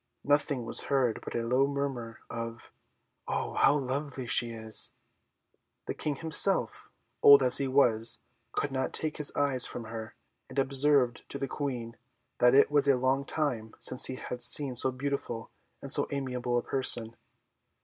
Nothing was heard but a low murmur of "Oh! how lovely she is!" The King himself, old as he was, could not take his eyes from her, and observed to the Queen, that it was a long time since he had seen so beautiful and so amiable a person.